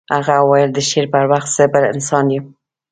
هغه وویل د شعر پر وخت زه بل انسان یم